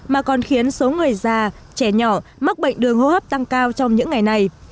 mà còn khiến số người già trẻ nhỏ mắc bệnh đường hô hấp tăng cao trong những ngày này